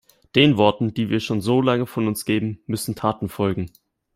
Den Worten, die wir schon so lange von uns geben, müssen Taten folgen.